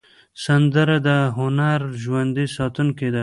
سندره د هنر ژوندي ساتونکی ده